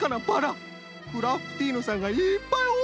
クラフティーヌさんがいっぱいおるみたい！